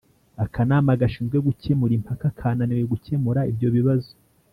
Akanama gashinzwe gukemura impaka kananiwe gukemura ibyo bibazo